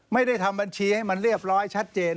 ไม่ได้ทำบัญชีให้มันเรียบร้อยชัดเจน